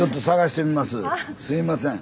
すいません。